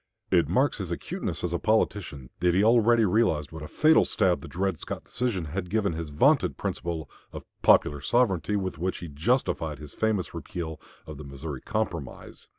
It marks his acuteness as a politician that he already realized what a fatal stab the Dred Scott decision had given his vaunted principle of "Popular Sovereignty," with which he justified his famous repeal of the Missouri Compromise.